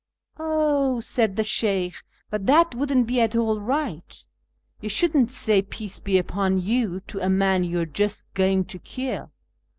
"Oh," said the Sheykh, "but that wouldn't be at all right ; you shouldn't say ' peace be upon you ' to a man you are just going to kill."